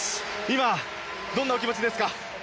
今、どんなお気持ちですか？